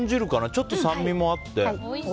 ちょっと酸味もあって。